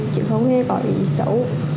chịu phóng nghe có bị xấu